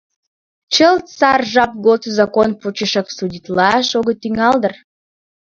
— Чылт сар жап годсо закон почешак судитлаш огыт тӱҥал дыр?